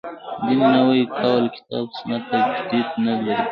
دین نوی کول کتاب سنت تجدید نه لري.